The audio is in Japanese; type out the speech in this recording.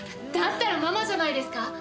だったらママじゃないですか？